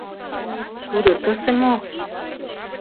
Тудо тысе мо?!.